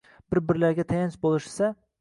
bir-birlariga tayanch bo‘lishsa